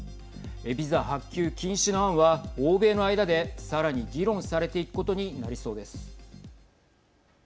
ビザ発給禁止の案は、欧米の間でさらに議論されていくことになりそうです。